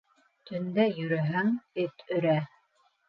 Төндә йөрөһәң, эт өрә.